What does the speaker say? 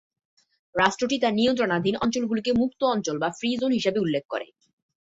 রাষ্ট্রটি তার নিয়ন্ত্রণাধীন অঞ্চলগুলিকে "মুক্ত অঞ্চল" বা "ফ্রি জোন" হিসাবে উল্লেখ করে।